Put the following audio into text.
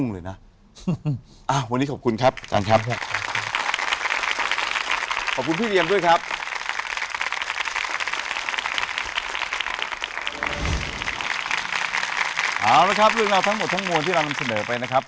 เอาละครับเรื่องราวทั้งหมดทั้งมวลที่เรานำเสนอไปนะครับ